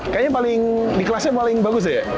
kayaknya paling di kelasnya paling bagus ya